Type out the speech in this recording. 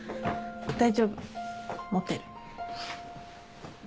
大丈夫持てる。